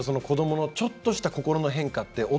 子どものちょっとした心の変化って。